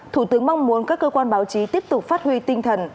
thủ tướng mong muốn các cơ quan báo chí tiếp tục phát huy tinh thần